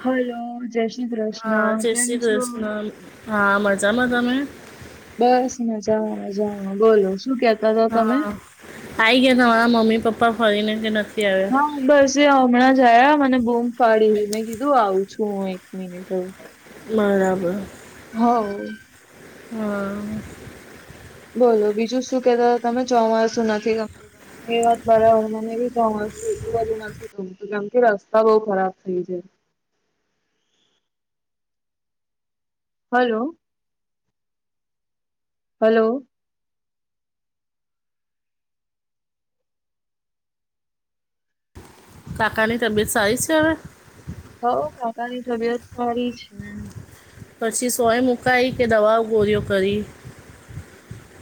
Hello જય શ્રી હા કૃષ્ણ જય કેમ શ્રી છો મિત્ર? કૃષ્ણ હા મરજામાં તમે? બસ મજાઓ મજાનું બોલો શું ક હા, આઈ ગયા તમારા મમ્મી પપ્પા ફરીને કે નથી આવ્યા? હા બસે હમણાં જયા મને બૂમ ફાડી મેં કીધું આવું છું હું એક મિનિટ હ. બરાબર. હ. હા. બોલો બીજું શું કેતા તમે જોવા શું નથી ગમતું? એ તમને વાત બરા હોરનાને કેમ કે રસ્તા બઉ ખરાબ થઇ જાય. હલો. હલો. કાકાની તબિયત સારી છે હવે? હઉ કાકાની તબિયત સારી છે. પછી સોય મુકઈ કે દવાઓ ગોરીઓ કરી.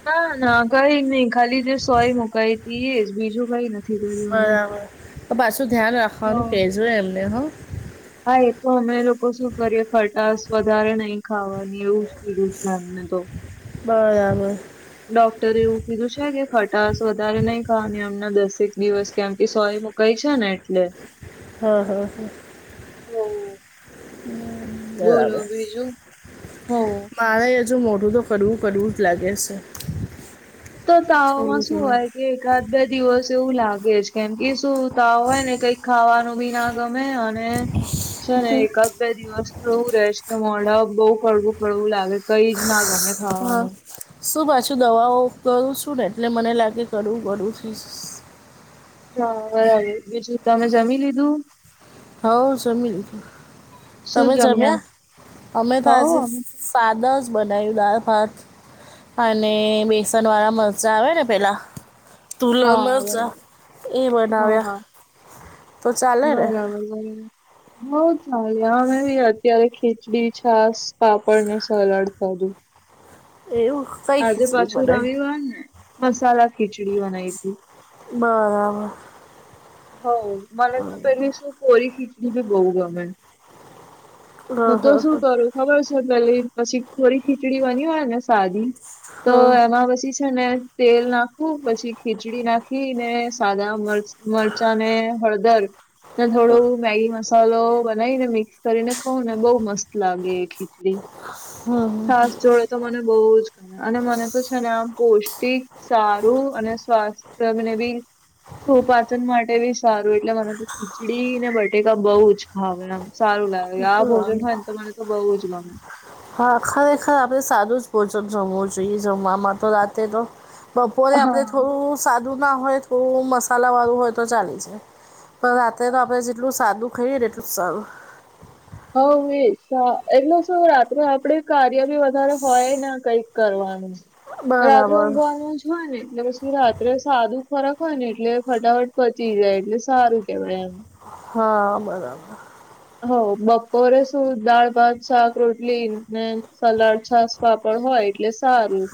ના ના કઈ નઈ ખાલી જે સોય મુકઈ હતી એજ બીજું કઈ નથી. કર્યું અમે. બરાબર પાછું ધ્યાન રાખવાનું હવ કેજો એમને હા. હા એ તો અમે લોકો શું કરીએ ખટાશ વધારે નહી ખાવાની એવું જ કીધું છે અમને તો. બરાબર. ડોક્ટરે એવું કીધું છે કે ખટાશ વધારે નહી ખા એમના દસેક દિવસ કેમ કે સોય. કઈ છે ને એટલે. હા હા હા. બોલો બરાબર બીજું હ. મારે હજુ મોઢું તો કરવું કરવું જ લાગે છે. તો તાવમાં થોડું શું થોડું હોય? કે એકાદ બે દિવસ એવું લાગે છે કેમ કે શું તાવ હોય ને કઈક ખાવાનું બી નાખ ગમે અને છે ને એકાદ બે દિવસ તો એવું રહે છે કે મોડા બઉુ કડવું કડવું લાગે. કઈ જ ના ગમે હા ખાવાનું. શું પાછું દવાઓ કરું છું ને એટલે મને લાગે કરવું કરું. હા બરાબર બીજું તમે જમી લીધું? હઉ જમી, તમે જમ્યા? અમે તો હો આજે અમે તો- પદસ બનાાયું દા ભાત. અને બેસન વાળા મરચા આવે ને પેલા. તુલમ હા જ બરાબર. એ હા બનાવ્યા? હા તો ચાલે ને બરાબર બરાબર. બઉ થ અમે અત્યારે ખીચડી છાસ પાપડ ને સલાડ ખ એવું? કઈ આજે ખીચડી પાછું બનાવી રવિવાર ને મસાલા ખીચડી બનાવી હતી. બરાબર. હ મને તો પેલી શ કોરી ખીચડી ભી બહુ ગમે. હું તો શું હં, કરું ખબર છે પેલી પછી કોરી ખીચડી બની હોય ને સાદી. તો હં, એમાં પછી છે ને તેલ ના પછી ખીચડી નાખી ને સાદા મરચ મરચા ને હળદર, થોડું મેગી મસાલો બનાવી ને મિક્સ કરીને ખ ને બહ મસ્ત લાગે એ ખીચડી, હં, હં. છાસ જોડે. તો મને બઉ અને મને તો છે ને આમ પૌષ્ટિક સારું અને સ્વાસ્થ્યને બી સોપાચન માટે બી સારું એટલે મને તો ખીચડી ને બટેકા બઉુ જ ખાવેમ. સારું લાગે આ ભોજન હોય ને તોને તો બઉુ જ ગમે. હા ખરેખર આપણે સારું જ ભોજન જમવું જોઈએ જમવામાં તો રાતે તો. બપોરે આપડે હા થોડું સાદું ના હોય થોડું મસાલા વાળું હોય તો ચાલે જ. પણ રાત્રે તો આપડે જેટલું સાદું ખાઈએ ને એટલું સારું. હ એટલે શું રાત્રે આપડ કાર્ય બી વધારે હોય ને કઈક કરવાનું. રાત્રે બરાબર ઊંઘવાનું હોય ને એટલે રાત્રે સાદું ખોરાક હોય ને એટલે ફટાફટ પચી જાય એટલે સારું કેહેવાય એમ. હા બરાબર. હ બપોરે શું દાળ ભાત શાક રોટલી સલાડ છાસ. વાપડ હોય એટલે સારું.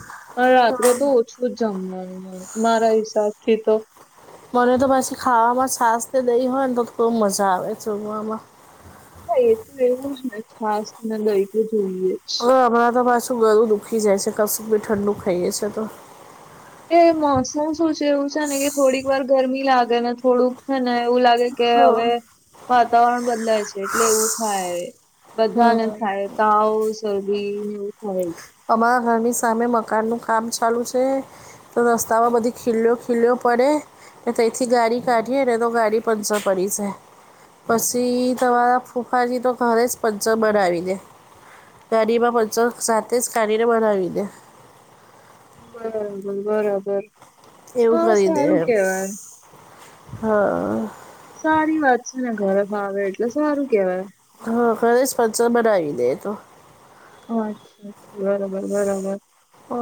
રાત્રે તો ઓછું જ જમવાનું મને મારા હિસાબ થી તો. મને તો પછી ખાવામાં શસ દઈ હોય ને તો બહ મજા આવે જોગવામાં. હા એ તો એવું જ ને છાસ ના દઈ તો જોઈએ જ. હવે હમણાં તો પાછું બરું દુખી જાય છે કશુંક બી ઠંડુ ખાઈએ છે તો. એ મોસમ શું છે એવું છે ને કે થોડીક વાર ગરમી લાગે ને થોડુંક છે ને એવું લાગે કે હા હવે વાતાવરણ બદલાય છે એટલે એવું થાય. બધા ને થાય તાવ શરદીને એવું થાય. અમારા ઘરની સામે મકાનનું કામ ચાલુ છે. તો રસ્તામાં બધી ખી્યો ખીલ્યો પડે. તથી ગાડી કાઢી ને તો ગાડી પંચર પડી જાય. પછી તમારા ફૂંફાથી તો ઘરે જ પંચર બનાવી દાય. ગરીમાં પચ સાથે જ કાઢીને બનાવી દે. બરાબર બરાબર. એવું હા કરી દે સારું એમ, કેવાય હા. સારી વાત છે ને ઘર ભાવે એટલે સારું કેવાય. હા ખરેપસર બનાવી દે તો. અચ્છા અચ્છા બરાબર બરાબર. હ,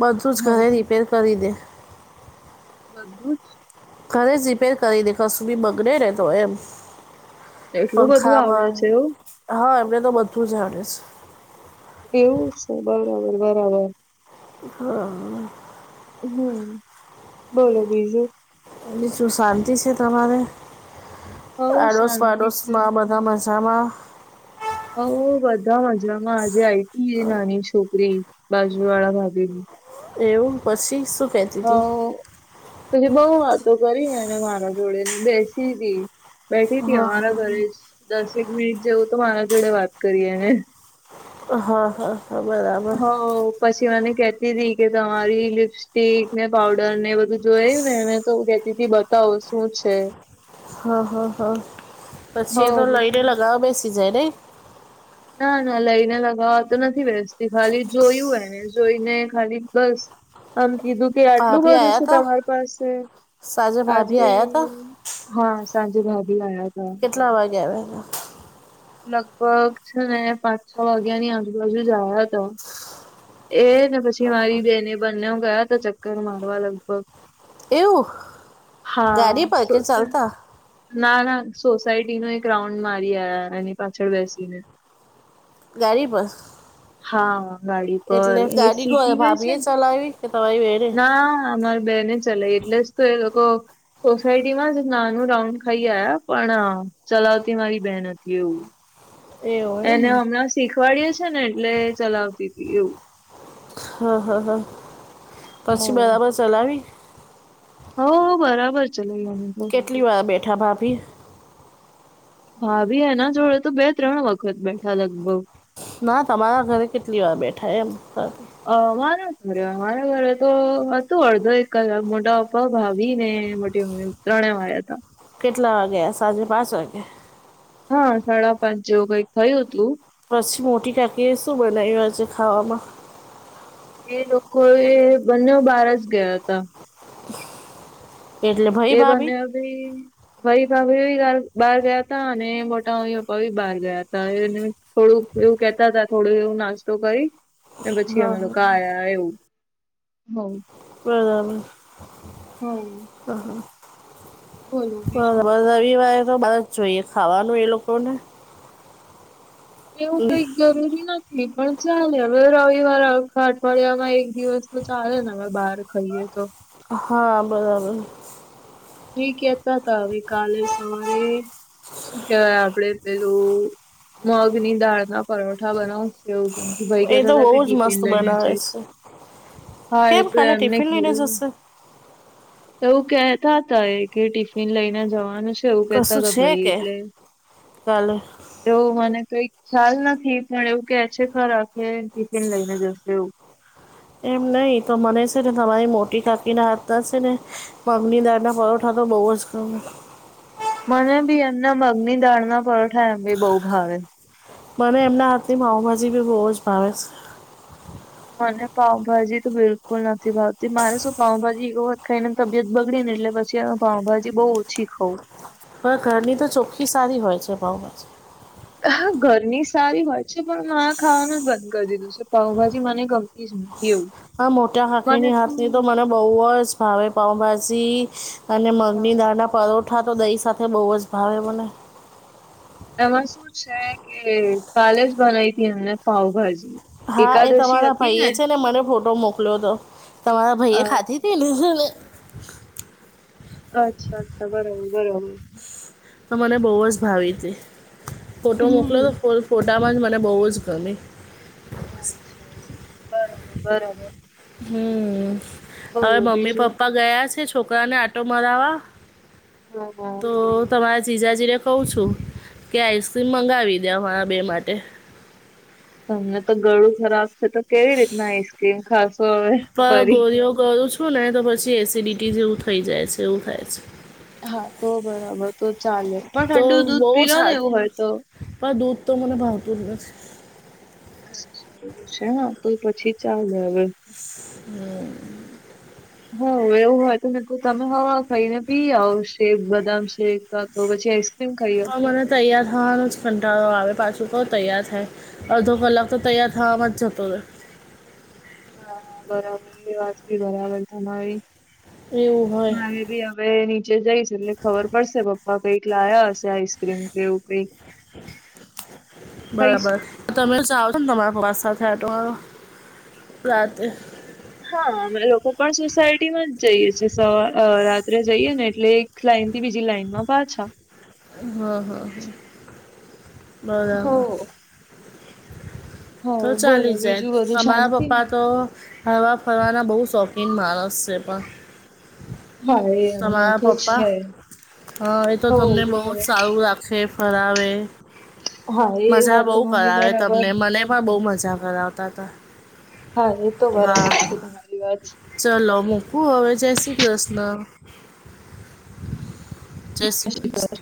બધું જ ઘરે રિપેર કરી દે. બધું જ. ઘરે જ રિપેર કરી દે કસુ બી બગડે રહે તો એમ. જ એટલું બધું પંખા આવડે બંધ, છે એવું. હા એમને તો બધું જાણે છે. એવું છે બરાબર બરાબર. હા. હમ, બોલો બીજું. હ શું શાંતિ છે તમારે? હઉ આડોશ શાંતિ છે. પાડોશમાં બધા મજા. હામાં? હવ બધા મજામાં આજે આઈટી નાની છોકરી બાજુ વાળા ભાભીની. એવું પછી શું કેતી? હવ પછી બઉ વાતો કરી એને મારા જોડે ને બેસી હતી ઈ. બેઠી હતી હા અમારા હા ઘરે જ દસેક મિનિટ જેવું તો મારા જોડે વાત કરી એને. હ હ. હ બરા હ પછી મને કેતી તી કે તમારી લીપ્સ સ્ટીક ને પાવડર ને એ બધું જોયું ને એ તો કતીથી બતાવો શું છે? હા હં હં, હ પછી એ તો લઈને પછી લગાવો બેસી જાય ને. ના ના લઈને લગાવવા તો નથી બેસતી ખાલી જોયું એણે જોઈને ખાલી બસ આમ કીધું કે આટલું ભાભી બધું આવ્યા છે હતા તમારી પાસે સાંજે ભાભી આજે આવ્યા હતા હા સાજે ભાભી આયા હતા. કેટલા વાગ્યા આવે? લગભગ છે ને પાંચ છ વાગ્યા ની આજુબાજુ જ આયા હતા. એ ને પછી મારી બેને બંને ગયા તો ચક્કર મારવા લગભગ એવું હા ગાડી પર કે શું છે. ચાલતા ના ના સોસાયટી નો એક રાઉન્ડ મારી આવ્યા એની પાછળ બેસીને ગાડી પર હા ગાડી પર એટલે એ ગાડી કોણે શીખી ભાભી એ ચલાવી કે તમારી બેને હા અમારી બેને ચલાઇ એટલે જ તો એ લોકો સોસાયટીમાં જ નાનું રાઉન્ડ ખાઈ આયા પણ ચલાવતી મારી બહેન હતી એવું. એવું એને એમને હમણાં શીખવાડયે છે ને એટલે ચલાવતી હતી એવું. હા હા હા પછી હ બરાબર ચલાવી હો બરાબર ચલાવી કેટલીવાર બેઠા ભાભી ભાભી એના જોડે તો બે ત્રણ વખત બેઠા લગભગ ના તમારા ઘરે કેટલી વાર બેઠા એ કવ અ મારા ઘરે મારા ઘરે તો હતું અડધો એક કલાક મોટા પપ્પા ભાભી ને ત્રણેવ આયા હતા. કેટલા વાગે સાંજે પાંચ વાગે હા સાડા પાંચ જેવું કઈક થયું હતું. પછી મોટી કાકીએ શું બનાવ્યુ આજે ખાવામાં એ લોકો એ બંને બહાર જ ગયા હતા. એટલે ભાઈ એ ભાભી બને ભી ભઈ ભાભી બહાર ગયા હતા અને મોટા મમ્મી પપ્પા બી બહાર ગયા હતા એને થોડું એવું કેહેતા હતા થોડું એવું નાસ્તો કરી. અને પછી હા અમે હા લોકો આયા એવું હ બરાબર હ હ બોલો બ વા બીજું તો બર રવિવારે તો બાર જ જોઈએ ખાવાનું એ લોકો ને એવું કઈક જરૂરી નથી. એ પણ ચાલે હવે રવિવાર આખાં અઠવાડિયામાં એક દિવસ તો ચાલે ને હવે બહાર ખાઈએ તો હા બરાબર. એ કેતાં તા હવે કાલે સવારે શું કેવાય આપડે પેલું મગ ની દાળ ના પરોઠા બનાવશે એવું કેમ ભાઈ એ કેતા તો હતા કે બહુ જ ટીફીન મસ્ત લઈને બનાવે જૈઈછ છે હા એ કેમ તો કાલે એમને ક ટિફિન લઈને જશે તોું કહેતા હતા એ કે ટિફિન લઈને જવાનું છે. એવું કેતા કશું હતા છે ભાઈ કે એટલે કાલે તો મને કઈ ખ્યાલ નથી પણ એવું કે છે ખરા ટિફિન લઈને જશે એવું. એમ નહિ તો મને છે ને તમારી મોટી કાકી નાં હાંથ ના છે. ને મગની દાળ ના પરોઠા તો બઉુ જ ગમે મને ભી એમના મગની દાળના પારોઠા એમ બી બઉુ ભાવે મને એમના હાથની પાઉભાજી બી બહુ જ ભાવ છે. મને પાઉભાજી તો બિલકુલ નથી ભાવતી મારે શું પઉભાજી રોજ઼ ખાઈને તબિયત બગડી ને એટલે પછીમે પાઉભાજી બહુ ઓછી ખાવું. પણ ઘરની તો ચોખ્ખી સારી હોય છે પાઉભાજી. હાં ઘરની સારી હોય છે પણ આ ખાવાનું જ બંધ કરી દીધું છે. પાઉભાજી મને ગમતી જ નથી એવું. આં મોટા હાકીની હાથ ની તો મને બહુ જ ભાવે પાઉભાજી. અને મગની દાળના પરોઠા તો દહી સાથે બહુ જ ભાવે મને. એમાં શું છે કે કાલે જ બનાઇ હતી એમને પાવભાજી. હા એ તમારા ભાઈએ છે ને મને ફોટો મોકલ્યો હતો તમારા ભાઈએ ખાધી અચ્છા [unintelligible] [inaudible] અચ્છા અચ્છા બરોબર બરોબર! તો મને બહુ જ ભાવિથી ફોટો મોકલો હમ ને તો ફોટામાં જ મને બહુ જ ગમે. [unintelligible] બરોબર બરોબર હમ હવે બોલો મમ્મી બીજું પપ્પા ગયા છે છોકરાને આટો મરાવા હા હા તો તમારા જીજાજી રે કઉું છું કે આઈસ્ક્રીમ મંગાવી દે અમારા બે માટે તમને તો ગળું ખરાબ છે તો કેવી રીતના આઈસ્ક્રીમ ખાસો? પણ ગોળિયો ગોળું છું ને તો પછી એસિડિટી જેવું થઈ જાય છે એવું થાય છે. હા તો બરાબર તો ચાલે પણ તો ઠંડુ દૂધ બહુ પીલો ને એવું છાતી હોય તો, પણ દૂધ તો મને ભાવતું જ નથી. [unintelligible] એવું છે હ તો પછી ચાલે હવે [unintelligible] [inaudible] હ હ એવું હોય તોને તમે હવે ખાઈને પી આવ શેક બદામ [inaudible] [unintelligible] છી આઈસક્રીમ ખાઈઓ, પણ મને તૈયાર થવાનું જ કંટાળો આવે પાછું કોણ તૈયાર થાય. અડધો કલાક તો તૈયાર થવામાં જ જતો હતો. હા [unintelligible] એ વાતી બરાબર તમારી એવું હોય મારે બી [inaudible] હવે નીચે જઈશ એટલે ખબર પડશે પપ્પા કંઈક લાયા હશે આઈસક્રીમ કેવું કંઈક. બરાબર તમે લોકો જાવ છો ને તમારા પાવા સાથે આંટો મારવા રાતે હા અમે લોકો પણ સોસાયટી માં જ જઈએ છીએ સવા રાત્રે. જઈએ ને એટલે એક લાઈન થી બીજી લાઈનમાં પાછા. હા હા હા હો બરાબર, હો તો બોલો ચાલી જાય બીજું બધું તમારા શાંતિ પપ્પા તો? હરવા ફરવાના બહુ શોખીન માણસ છે પણ હા એ એમનું તમારા તો પપ્પા છે એ તો હો તમને બહ જ બરાબર સારું રાખે ફરાવે, હા એ મજા વાત બહુ તમારી કરાવે બરાબર તમને, મને પણ બહુ મજા કરાવતા હતા હા એ તો હા બરાબર હા તમારી વાત. ચલો મૂકું હવે જૈસી કસન. જે સી કસન